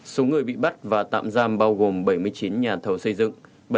số người bị bắt và tạm giam bao gồm bảy mươi chín nhà thầu xây dựng